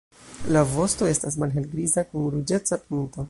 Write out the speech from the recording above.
La vosto estas malhelgriza kun ruĝeca pinto.